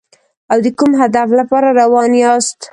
او د کوم هدف لپاره روان یاست.